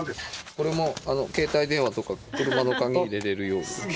これも携帯電話とか車の鍵入れられるように。